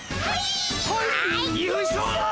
はい！